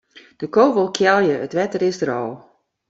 De ko wol kealje, it wetter is der al.